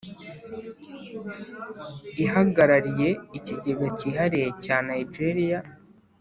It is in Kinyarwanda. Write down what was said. Ihagarariye Ikigega Cyihariye cya Nijeriya